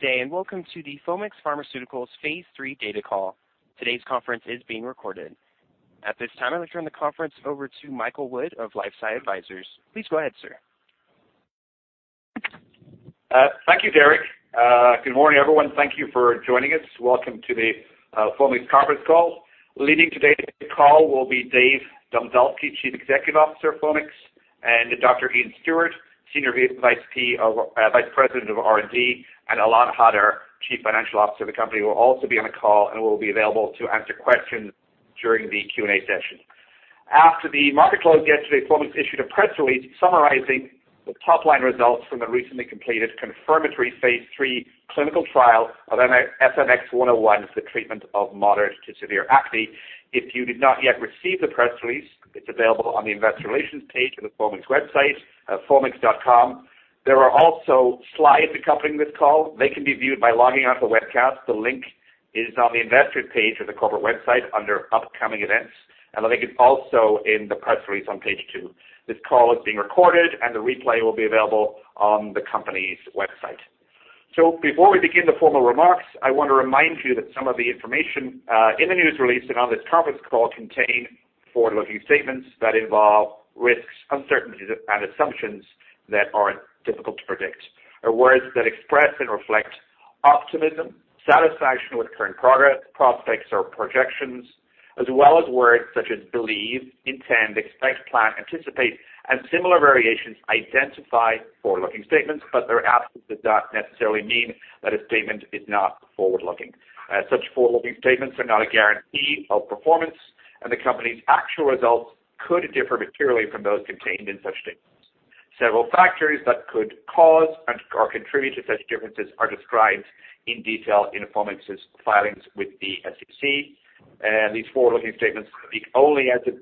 Good day. Welcome to the Foamix Pharmaceuticals phase III data call. Today's conference is being recorded. At this time, I'll turn the conference over to Michael Wood of LifeSci Advisors. Please go ahead, sir. Thank you, Derek. Good morning, everyone. Thank you for joining us. Welcome to the Foamix conference call. Leading today's call will be David Domzalski, Chief Executive Officer of Foamix, Dr. Iain Stuart, Senior Vice President of R&D, and Ilan Hadar, Chief Financial Officer of the company, will also be on the call and will be available to answer questions during the Q&A session. After the market close yesterday, Foamix issued a press release summarizing the top-line results from the recently completed confirmatory phase III clinical trial of FMX101 for the treatment of moderate to severe acne. If you did not yet receive the press release, it's available on the investor relations page of the Foamix website, foamix.com. There are also slides accompanying this call. They can be viewed by logging on to the webcast. The link is on the investor page of the corporate website under upcoming events. The link is also in the press release on page two. This call is being recorded. The replay will be available on the company's website. Before we begin the formal remarks, I want to remind you that some of the information in the news release and on this conference call contain forward-looking statements that involve risks, uncertainties, and assumptions that are difficult to predict, or words that express and reflect optimism, satisfaction with current progress, prospects or projections, as well as words such as believe, intend, expect, plan, anticipate, and similar variations identify forward-looking statements, but their absence does not necessarily mean that a statement is not forward-looking. Such forward-looking statements are not a guarantee of performance. The company's actual results could differ materially from those contained in such statements. Several factors that could cause and/or contribute to such differences are described in detail in Foamix's filings with the SEC. These forward-looking statements speak only as of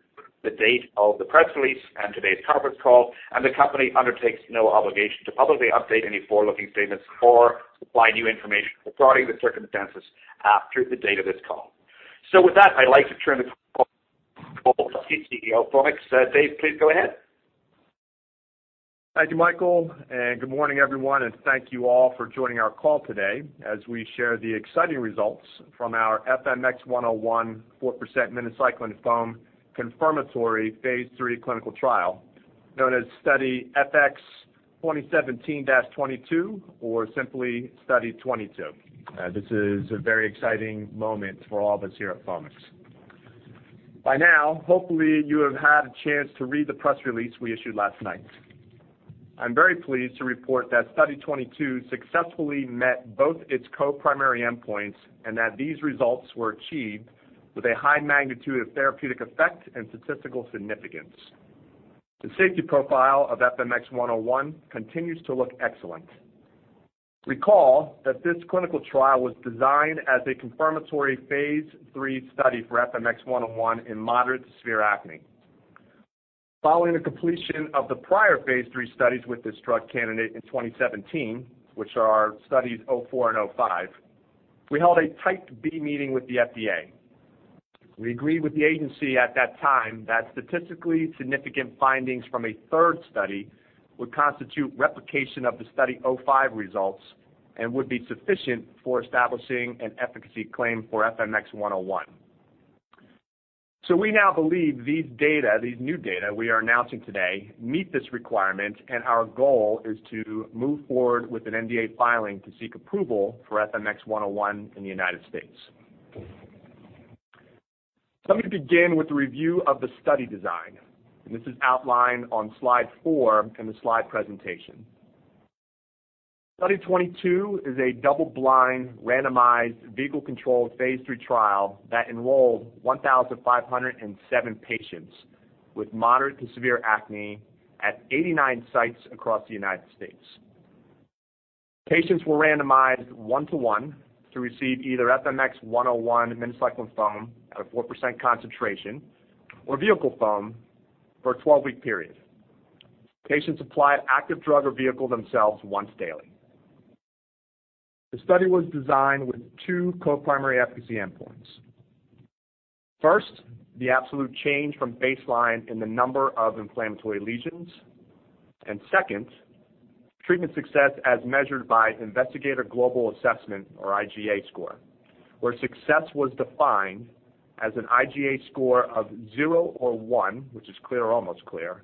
the date of the press release and today's conference call. The company undertakes no obligation to publicly update any forward-looking statements or supply new information regarding the circumstances after the date of this call. With that, I'd like to turn the call to the CEO of Foamix. Dave, please go ahead. Thank you, Michael. Good morning, everyone, and thank you all for joining our call today as we share the exciting results from our FMX101 4% minocycline foam confirmatory phase III clinical trial, known as Study FX2017-22 or simply Study 22. This is a very exciting moment for all of us here at Foamix. By now, hopefully you have had a chance to read the press release we issued last night. I am very pleased to report that Study 22 successfully met both its co-primary endpoints and that these results were achieved with a high magnitude of therapeutic effect and statistical significance. The safety profile of FMX101 continues to look excellent. Recall that this clinical trial was designed as a confirmatory phase III study for FMX101 in moderate-to-severe acne. Following the completion of the prior phase III studies with this drug candidate in 2017, which are Study 04 and Study 05, we held a Type B meeting with the FDA. We agreed with the agency at that time that statistically significant findings from a third study would constitute replication of the Study 05 results and would be sufficient for establishing an efficacy claim for FMX101. We now believe these data, these new data we are announcing today, meet this requirement. Our goal is to move forward with an NDA filing to seek approval for FMX101 in the U.S. Let me begin with a review of the study design. This is outlined on slide four in the slide presentation. Study 22 is a double-blind, randomized, vehicle-controlled, phase III trial that enrolled 1,507 patients with moderate-to-severe acne at 89 sites across the U.S. Patients were randomized one to one to receive either FMX101 minocycline foam at a 4% concentration or vehicle foam for a 12-week period. Patients applied active drug or vehicle themselves once daily. The study was designed with two co-primary efficacy endpoints. First, the absolute change from baseline in the number of inflammatory lesions. Second, treatment success as measured by Investigator Global Assessment or IGA score, where success was defined as an IGA score of zero or one, which is clear or almost clear,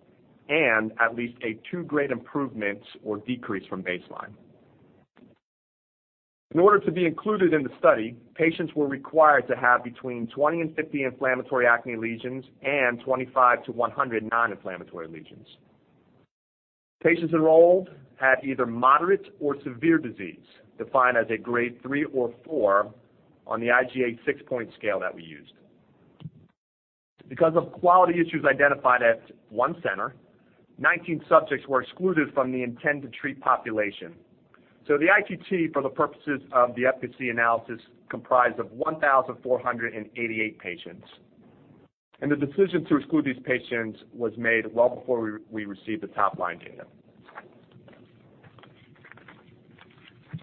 and at least a 2-grade improvement or decrease from baseline. In order to be included in the study, patients were required to have between 20 and 50 inflammatory acne lesions and 25 to 100 non-inflammatory lesions. Patients enrolled had either moderate or severe disease, defined as a grade 3 or 4 on the IGA six-point scale that we used. Because of quality issues identified at one center, 19 subjects were excluded from the intent to treat population. The ITT, for the purposes of the efficacy analysis, comprised of 1,488 patients. The decision to exclude these patients was made well before we received the top-line data.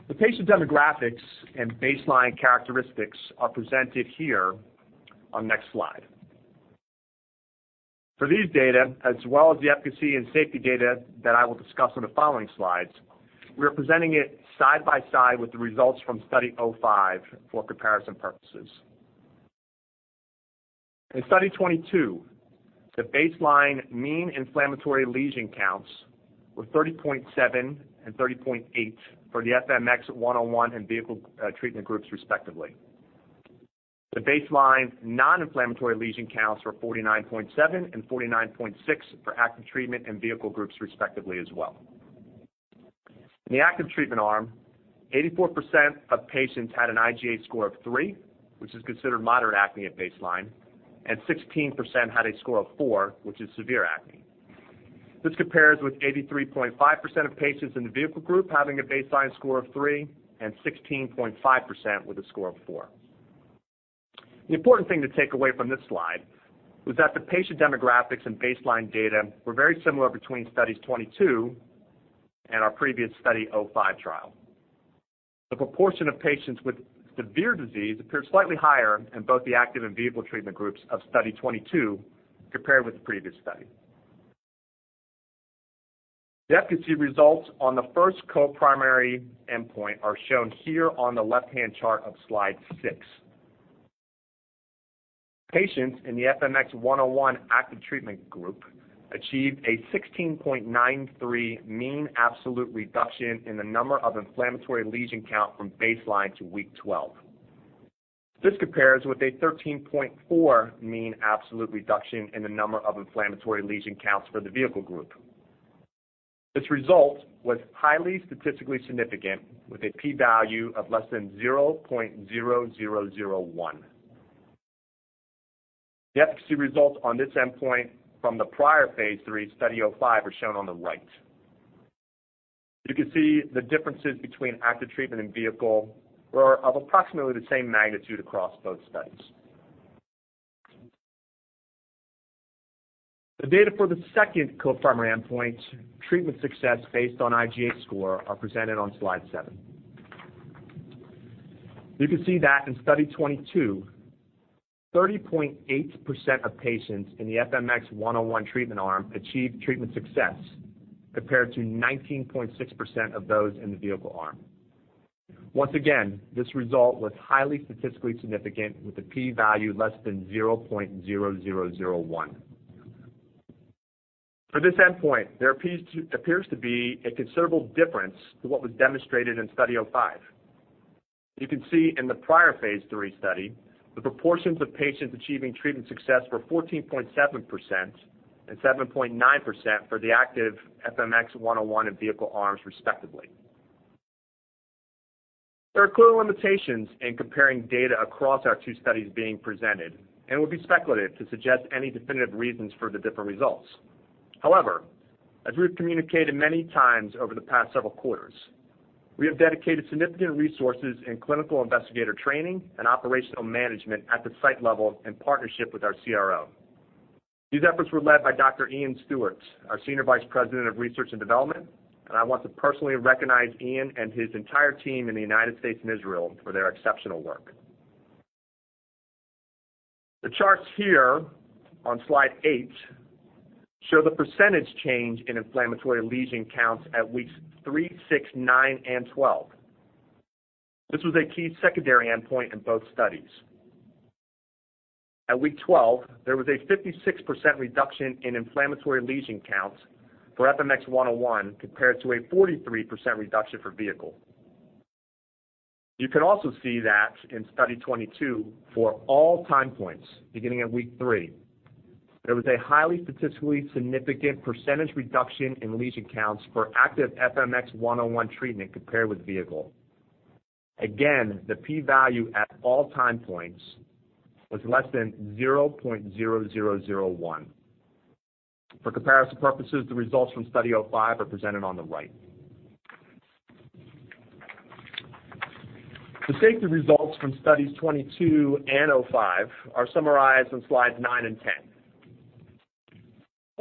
The patient demographics and baseline characteristics are presented here on the next slide. For these data, as well as the efficacy and safety data that I will discuss on the following slides, we are presenting it side by side with the results from Study 05 for comparison purposes. In Study 22, the baseline mean inflammatory lesion counts were 30.7 and 30.8 for the FMX101 and vehicle treatment groups, respectively. The baseline non-inflammatory lesion counts were 49.7 and 49.6 for active treatment and vehicle groups respectively as well. In the active treatment arm, 84% of patients had an IGA score of 3, which is considered moderate acne at baseline, and 16% had a score of 4, which is severe acne. This compares with 83.5% of patients in the vehicle group having a baseline score of 3 and 16.5% with a score of 4. The important thing to take away from this slide was that the patient demographics and baseline data were very similar between Study 22 and our previous Study 05 trial. The proportion of patients with severe disease appeared slightly higher in both the active and vehicle treatment groups of Study 22 compared with the previous study. The efficacy results on the first co-primary endpoint are shown here on the left-hand chart of Slide six. Patients in the FMX101 active treatment group achieved a 16.93 mean absolute reduction in the number of inflammatory lesion count from baseline to week 12. This compares with a 13.4 mean absolute reduction in the number of inflammatory lesion counts for the vehicle group. This result was highly statistically significant with a P value of less than 0.0001. The efficacy results on this endpoint from the prior phase III Study 05 are shown on the right. You can see the differences between active treatment and vehicle were of approximately the same magnitude across both studies. The data for the second co-primary endpoint, treatment success based on IGA score, are presented on Slide seven. You can see that in Study 22, 30.8% of patients in the FMX101 treatment arm achieved treatment success compared to 19.6% of those in the vehicle arm. Once again, this result was highly statistically significant with a P value less than 0.0001. For this endpoint, there appears to be a considerable difference to what was demonstrated in Study 05. You can see in the prior phase III study, the proportions of patients achieving treatment success were 14.7% and 7.9% for the active FMX101 and vehicle arms respectively. There are clear limitations in comparing data across our two studies being presented, and it would be speculative to suggest any definitive reasons for the different results. However, as we have communicated many times over the past several quarters, we have dedicated significant resources in clinical investigator training and operational management at the site level in partnership with our CRO. These efforts were led by Dr. Iain Stuart, our senior vice president of research and development, and I want to personally recognize Iain and his entire team in the U.S. and Israel for their exceptional work. The charts here on Slide eight show the percentage change in inflammatory lesion counts at weeks three, six, nine, and 12. This was a key secondary endpoint in both studies. At week 12, there was a 56% reduction in inflammatory lesion counts for FMX101 compared to a 43% reduction for vehicle. You can also see that in Study 22, for all time points, beginning at week three, there was a highly statistically significant percentage reduction in lesion counts for active FMX101 treatment compared with vehicle. Again, the P value at all time points was less than 0.0001. For comparison purposes, the results from Study 05 are presented on the right. The safety results from Studies 22 and 05 are summarized on Slides nine and 10.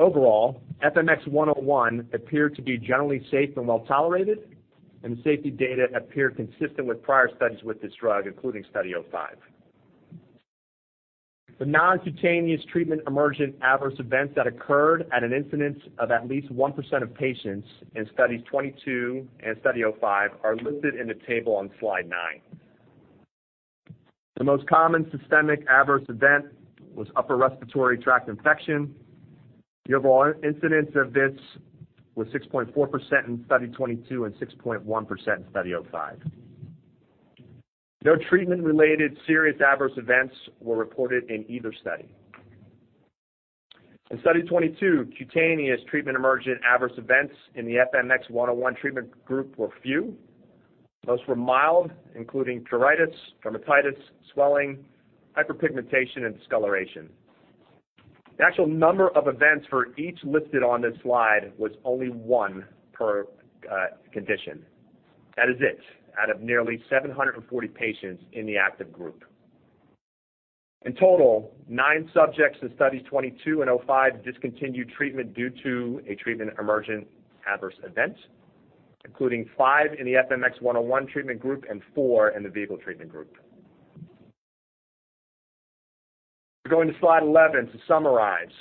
Overall, FMX101 appeared to be generally safe and well-tolerated, and the safety data appear consistent with prior studies with this drug, including Study 05. The non-cutaneous treatment emergent adverse events that occurred at an incidence of at least 1% of patients in Studies 22 and Study 05 are listed in the table on Slide nine. The most common systemic adverse event was upper respiratory tract infection. The overall incidence of this was 6.4% in Study 22 and 6.1% in Study 05. No treatment-related serious adverse events were reported in either study. In Study 22, cutaneous treatment emergent adverse events in the FMX101 treatment group were few. Most were mild, including pruritus, dermatitis, swelling, hyperpigmentation, and discoloration. The actual number of events for each listed on this slide was only one per condition. That is it, out of nearly 740 patients in the active group. In total, nine subjects in Studies 22 and 05 discontinued treatment due to a treatment-emergent adverse event, including five in the FMX101 treatment group and four in the vehicle treatment group. Going to slide 11 to summarize.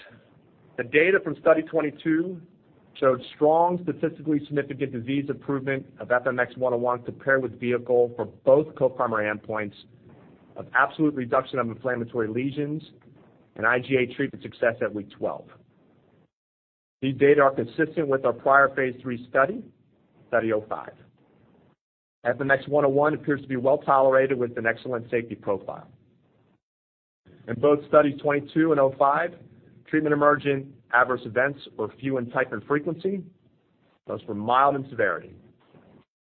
The data from Study 22 showed strong statistically significant disease improvement of FMX101 compared with vehicle for both co-primary endpoints of absolute reduction of inflammatory lesions and IGA treatment success at week 12. These data are consistent with our prior phase III study, Study 05. FMX101 appears to be well-tolerated with an excellent safety profile. In both Studies 22 and 05, treatment-emergent adverse events were few in type and frequency, thus were mild in severity.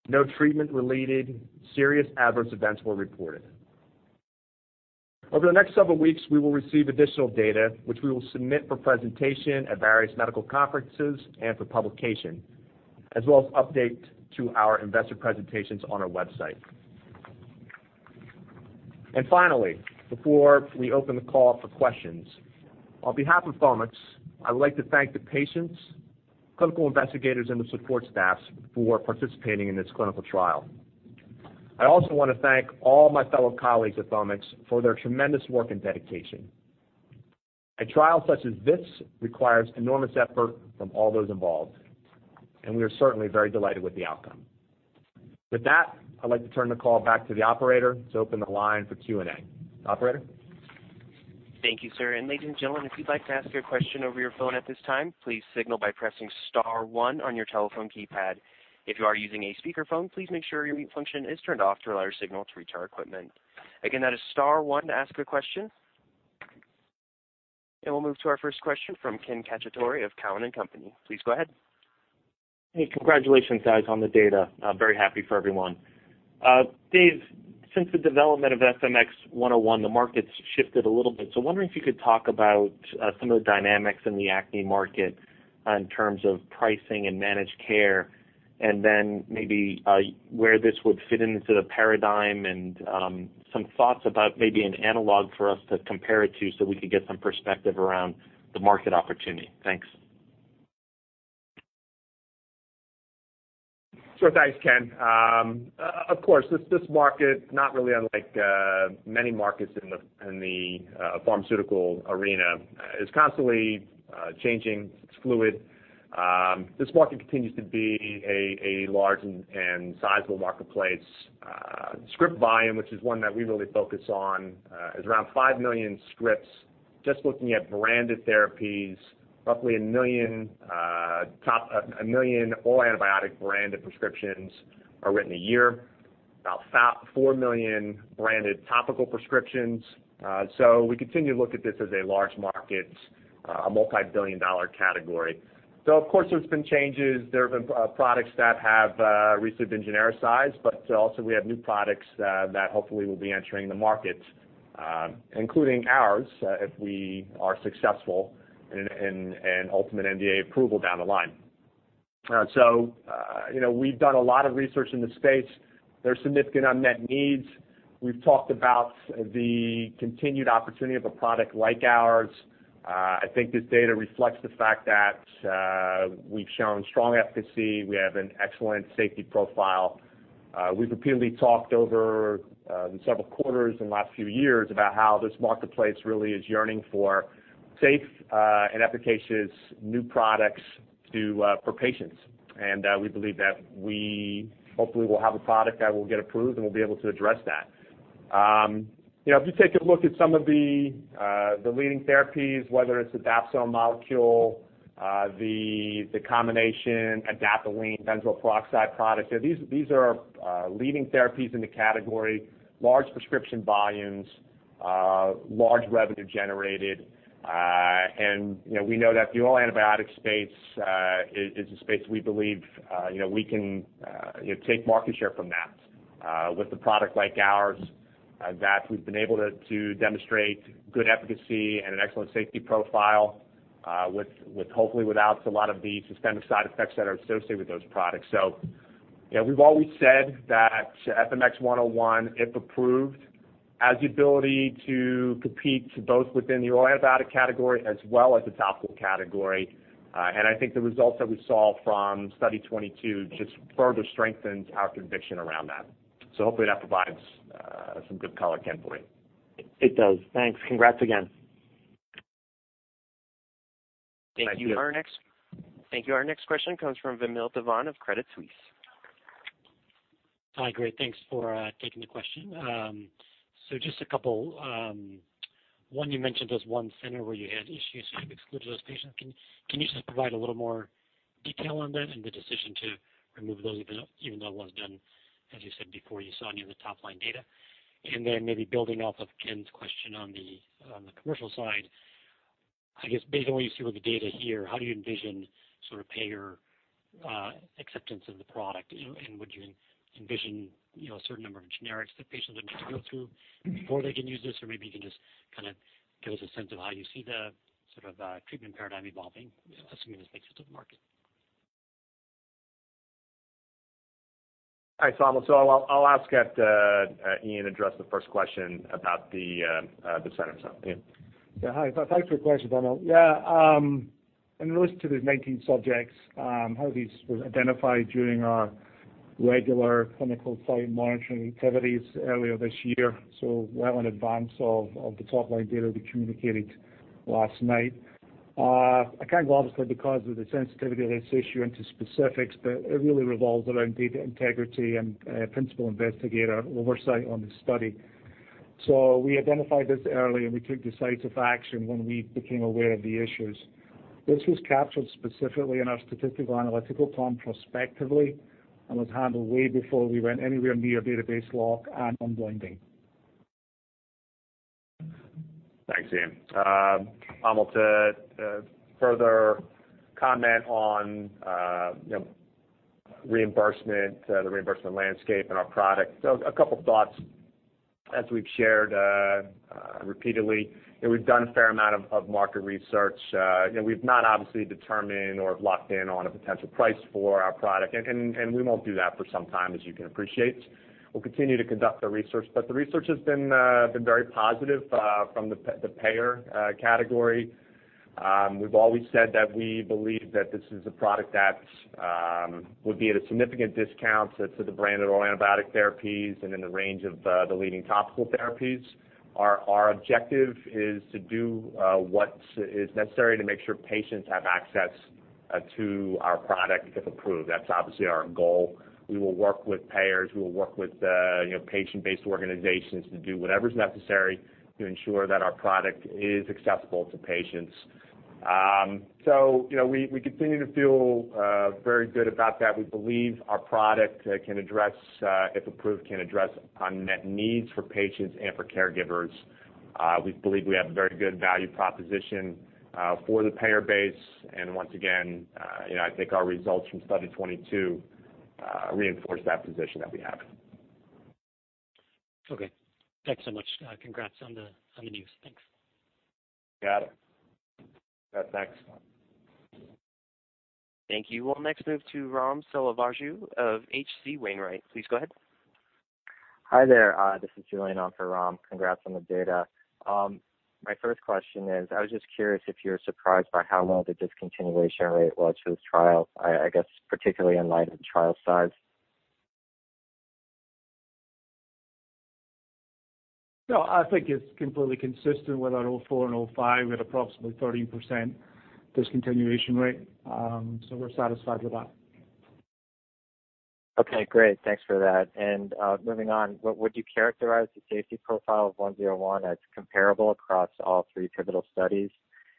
No treatment-related serious adverse events were reported. Finally, before we open the call for questions, on behalf of Foamix, I would like to thank the patients, clinical investigators, and the support staffs for participating in this clinical trial. I also want to thank all my fellow colleagues at Foamix for their tremendous work and dedication. A trial such as this requires enormous effort from all those involved, and we are certainly very delighted with the outcome. With that, I'd like to turn the call back to the operator to open the line for Q&A. Operator? Thank you, sir. Ladies and gentlemen, if you'd like to ask a question over your phone at this time, please signal by pressing star one on your telephone keypad. If you are using a speakerphone, please make sure your mute function is turned off to allow your signal to reach our equipment. Again, that is star one to ask a question. We'll move to our first question from Ken Cacciatore of Cowen and Company. Please go ahead. Hey, congratulations, guys, on the data. Very happy for everyone. Dave, since the development of FMX101, the market's shifted a little bit. Wondering if you could talk about some of the dynamics in the acne market in terms of pricing and managed care, and then maybe where this would fit into the paradigm and some thoughts about maybe an analog for us to compare it to so we could get some perspective around the market opportunity. Thanks. Sure. Thanks, Ken. Of course, this market, not really unlike many markets in the pharmaceutical arena, is constantly changing. It's fluid. This market continues to be a large and sizable marketplace. Script volume, which is one that we really focus on, is around 5 million scripts. Just looking at branded therapies, roughly 1 million oral antibiotic branded prescriptions are written a year. About 4 million branded topical prescriptions. We continue to look at this as a large market, a multi-billion dollar category. Of course, there's been changes. There have been products that have recently been genericized, but also we have new products that hopefully will be entering the market, including ours, if we are successful in an ultimate NDA approval down the line. We've done a lot of research in the space. There's significant unmet needs. We've talked about the continued opportunity of a product like ours. I think this data reflects the fact that we've shown strong efficacy. We have an excellent safety profile. We've repeatedly talked over the several quarters in the last few years about how this marketplace really is yearning for safe and efficacious new products for patients. We believe that we hopefully will have a product that will get approved, and we'll be able to address that. If you take a look at some of the leading therapies, whether it's the dapsone molecule, the combination adapalene benzoyl peroxide product, these are leading therapies in the category, large prescription volumes, large revenue generated. We know that the oral antibiotic space is a space we believe we can take market share from that with a product like ours that we've been able to demonstrate good efficacy and an excellent safety profile hopefully without a lot of the systemic side effects that are associated with those products. We've always said that FMX101, if approved, has the ability to compete both within the oral antibiotic category as well as the topical category. I think the results that we saw from Study 22 just further strengthens our conviction around that. Hopefully that provides some good color, Ken, for you. It does. Thanks. Congrats again. Thank you. Thank you. Our next question comes from Vamil Divan of Credit Suisse. Hi. Great. Thanks for taking the question. Just a couple. One, you mentioned this one center where you had issues and you've excluded those patients. Can you just provide a little more detail on that and the decision to remove those even though it was done, as you said before, you saw any of the top-line data? Maybe building off of Ken's question on the commercial side, I guess based on what you see with the data here, how do you envision payer acceptance of the product? Would you envision a certain number of generics that patients would need to go through before they can use this? Maybe you can just kind of give us a sense of how you see the sort of treatment paradigm evolving, assuming this makes it to the market. Hi, Vamil. I'll ask that Iain address the first question about the centers. Iain. Yeah. Hi. Thanks for the question, Vamil. Yeah. In relation to the 19 subjects, how these were identified during our regular clinical site monitoring activities earlier this year, well in advance of the top-line data we communicated last night. I can't go, obviously because of the sensitivity of this issue, into specifics, but it really revolves around data integrity and principal investigator oversight on the study. We identified this early, and we took decisive action when we became aware of the issues. This was captured specifically in our statistical analytical plan prospectively and was handled way before we went anywhere near database lock and unblinding. Thanks, Iain. Vamil, to further comment on the reimbursement landscape and our product. A couple thoughts. As we've shared repeatedly, we've done a fair amount of market research. We've not obviously determined or locked in on a potential price for our product, and we won't do that for some time, as you can appreciate. We'll continue to conduct the research, the research has been very positive from the payer category. We've always said that we believe that this is a product that would be at a significant discount to the branded oral antibiotic therapies and in the range of the leading topical therapies. Our objective is to do what is necessary to make sure patients have access to our product if approved. That's obviously our goal. We will work with payers, we will work with patient-based organizations to do whatever's necessary to ensure that our product is accessible to patients. We continue to feel very good about that. We believe our product, if approved, can address unmet needs for patients and for caregivers. We believe we have a very good value proposition for the payer base. Once again, I think our results from Study 22 reinforce that position that we have. Okay. Thanks so much. Congrats on the news. Thanks. Got it. Yeah, thanks. Thank you. We'll next move to Rom Selvaraju of H.C. Wainwright. Please go ahead. Hi there. This is Julian on for Rom. Congrats on the data. My first question is, I was just curious if you were surprised by how low the discontinuation rate was for this trial, I guess particularly in light of the trial size. No, I think it's completely consistent with our Study 04 and Study 05 at approximately 13% discontinuation rate. We're satisfied with that. Okay, great. Thanks for that. Moving on, would you characterize the safety profile of FMX101 as comparable across all three pivotal studies?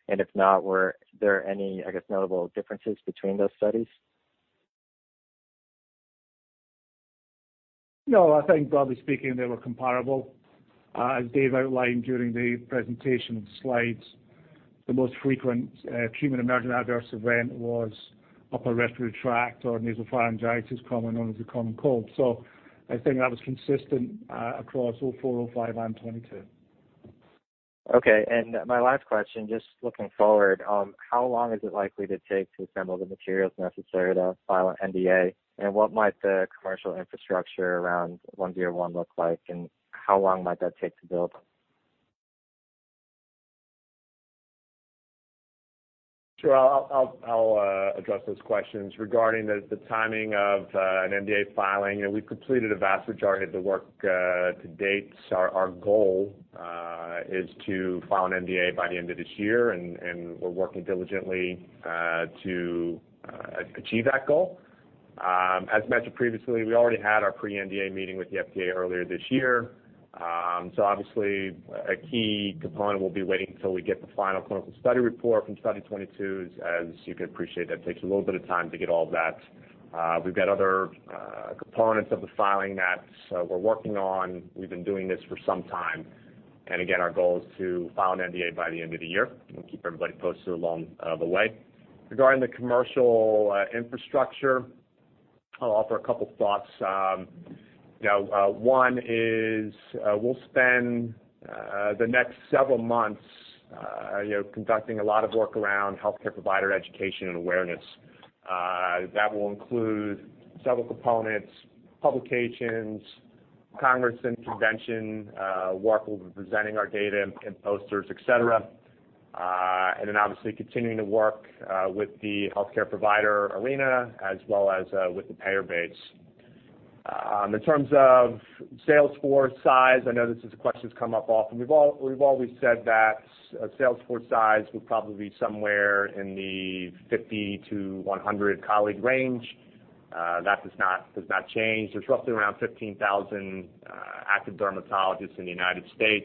If not, were there any, I guess, notable differences between those studies? No, I think broadly speaking, they were comparable. As Dave outlined during the presentation slides, the most frequent treatment-emergent adverse event was upper respiratory tract or nasopharyngitis, commonly known as the common cold. I think that was consistent across Study 04, Study 05, and Study 22. Okay. My last question, just looking forward, how long is it likely to take to assemble the materials necessary to file an NDA? What might the commercial infrastructure around FMX101 look like, and how long might that take to build? Sure. I'll address those questions. Regarding the timing of an NDA filing, we've completed a vast majority of the work to date. Our goal is to file an NDA by the end of this year, and we're working diligently to achieve that goal. As mentioned previously, we already had our pre-NDA meeting with the FDA earlier this year. Obviously, a key component will be waiting until we get the final clinical study report from Study 22. As you can appreciate, that takes a little bit of time to get all of that. We've got other components of the filing that we're working on. We've been doing this for some time. Again, our goal is to file an NDA by the end of the year. We'll keep everybody posted along the way. Regarding the commercial infrastructure, I'll offer a couple thoughts. One is, we'll spend the next several months conducting a lot of work around healthcare provider education and awareness. That will include several components, publications, congress and convention work. We'll be presenting our data in posters, et cetera. Obviously continuing to work with the healthcare provider arena as well as with the payer base. In terms of sales force size, I know this is a question that's come up often. We've always said that a sales force size would probably be somewhere in the 50 to 100 colleague range. That does not change. There's roughly around 15,000 active dermatologists in the U.S.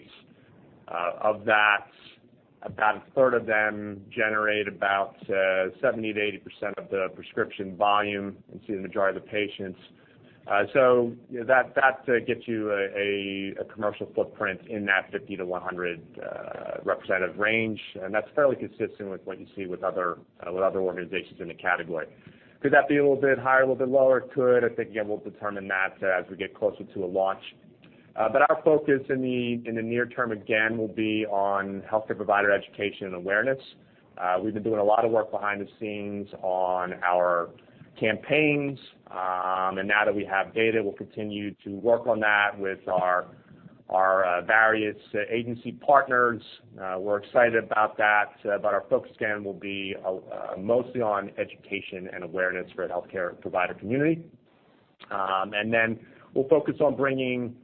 Of that, about a third of them generate about 70%-80% of the prescription volume and see the majority of the patients. That gets you a commercial footprint in that 50 to 100 representative range, and that's fairly consistent with what you see with other organizations in the category. Could that be a little bit higher, a little bit lower? It could. I think, again, we'll determine that as we get closer to a launch. Our focus in the near term, again, will be on healthcare provider education and awareness. We've been doing a lot of work behind the scenes on our campaigns. Now that we have data, we'll continue to work on that with our various agency partners. We're excited about that. Our focus, again, will be mostly on education and awareness for the healthcare provider community. We'll focus on bringing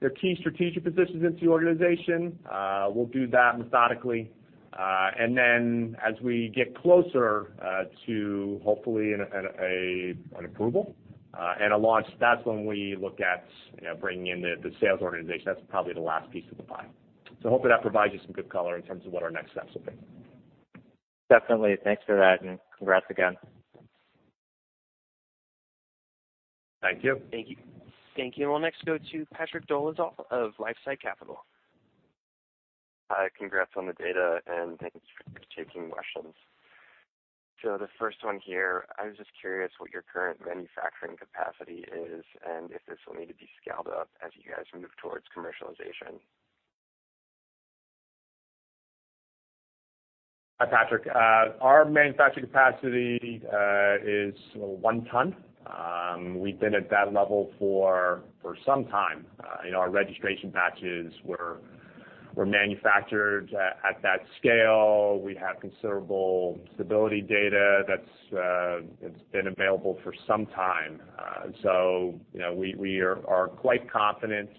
their key strategic positions into the organization. We'll do that methodically. As we get closer to, hopefully, an approval and a launch, that's when we look at bringing in the sales organization. That's probably the last piece of the pie. I hope that provides you some good color in terms of what our next steps will be. Definitely. Thanks for that, congrats again. Thank you. Thank you. Thank you. We'll next go to Patrick Dolezal of LifeSci Capital. Hi. Congrats on the data. Thank you for taking questions. The first one here, I was just curious what your current manufacturing capacity is and if this will need to be scaled up as you guys move towards commercialization. Hi, Patrick. Our manufacturing capacity is one ton. We've been at that level for some time. Our registration batches were manufactured at that scale. We have considerable stability data that's been available for some time. We are quite confident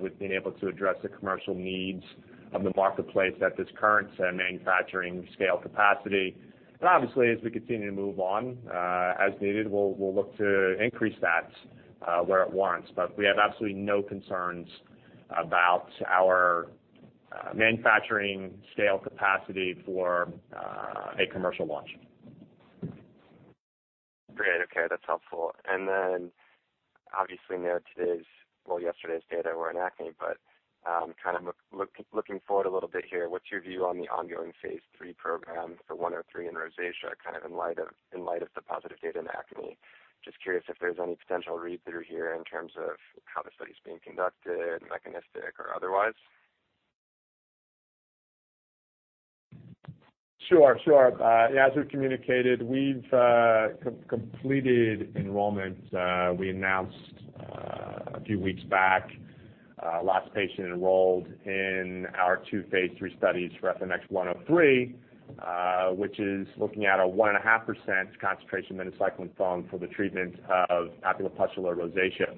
with being able to address the commercial needs of the marketplace at this current manufacturing scale capacity. Obviously, as we continue to move on, as needed, we'll look to increase that where it warrants. We have absolutely no concerns about our manufacturing scale capacity for a commercial launch. Great. Okay. That's helpful. Obviously, today's, well, yesterday's data were in acne, but kind of looking forward a little bit here, what's your view on the ongoing phase III program for 103 in rosacea, kind of in light of the positive data in acne? Just curious if there's any potential read-through here in terms of how the study's being conducted, mechanistic or otherwise. Sure. As we've communicated, we've completed enrollment. We announced a few weeks back, last patient enrolled in our two phase III studies for FMX103, which is looking at a 1.5% concentration minocycline foam for the treatment of papulopustular rosacea.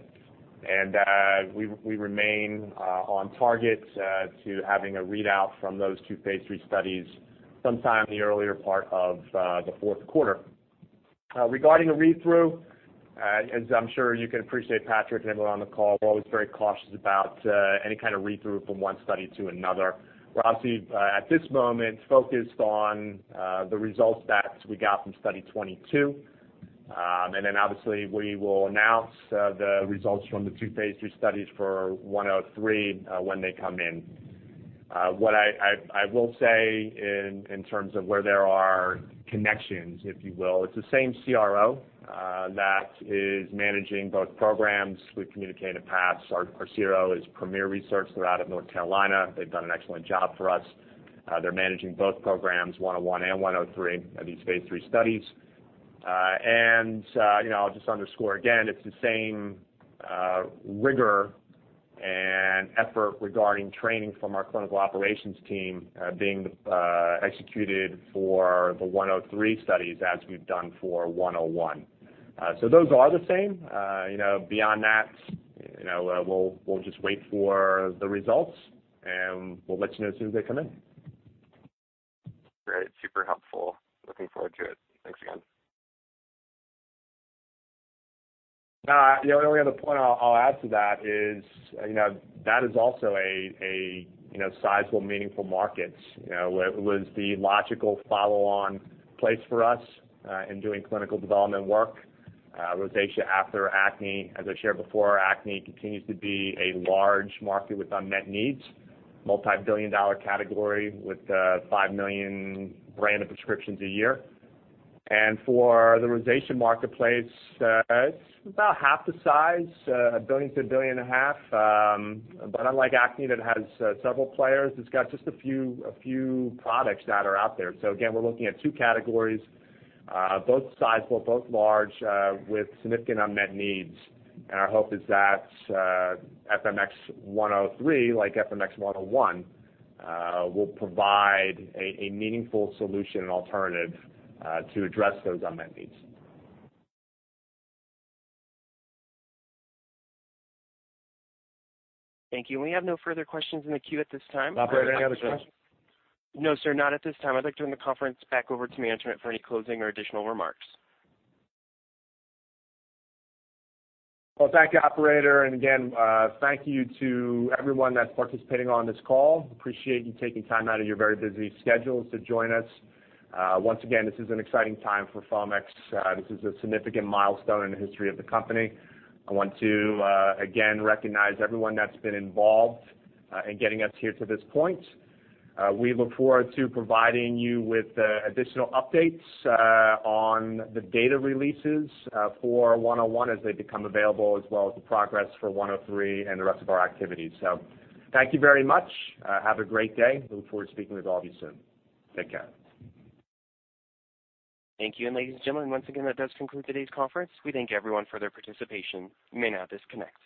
We remain on target to having a readout from those two phase III studies sometime in the earlier part of the fourth quarter. Regarding the read-through, as I'm sure you can appreciate, Patrick, and everyone on the call, we're always very cautious about any kind of read-through from one study to another. We're obviously, at this moment, focused on the results that we got from Study 22. Obviously, we will announce the results from the two phase III studies for 103 when they come in. What I will say in terms of where there are connections, if you will, it's the same CRO that is managing both programs. We've communicated in the past, our CRO is Premier Research. They're out of North Carolina. They've done an excellent job for us. They're managing both programs, 101 and 103, these phase III studies. I'll just underscore again, it's the same rigor and effort regarding training from our clinical operations team being executed for the 103 studies as we've done for 101. Those are the same. Beyond that, we'll just wait for the results, and we'll let you know as soon as they come in. Great. Super helpful. Looking forward to it. Thanks again. The only other point I'll add to that is, that is also a sizable, meaningful market. It was the logical follow-on place for us in doing clinical development work. Rosacea after acne. As I shared before, acne continues to be a large market with unmet needs. Multi-billion-dollar category with 5 million random prescriptions a year. For the rosacea marketplace, it's about half the size, $1 billion to $1.5 billion. Unlike acne that has several players, it's got just a few products that are out there. Again, we're looking at two categories, both sizable, both large, with significant unmet needs. Our hope is that FMX103, like FMX101, will provide a meaningful solution and alternative to address those unmet needs. Thank you. We have no further questions in the queue at this time. Operator, any other questions? No, sir. Not at this time. I'd like to turn the conference back over to management for any closing or additional remarks. Well, thank you, operator. Again, thank you to everyone that's participating on this call. Appreciate you taking time out of your very busy schedules to join us. Once again, this is an exciting time for Foamix. This is a significant milestone in the history of the company. I want to, again, recognize everyone that's been involved in getting us here to this point. We look forward to providing you with additional updates on the data releases for 101 as they become available, as well as the progress for 103 and the rest of our activities. Thank you very much. Have a great day. Look forward to speaking with all of you soon. Take care. Thank you. Ladies and gentlemen, once again, that does conclude today's conference. We thank everyone for their participation. You may now disconnect.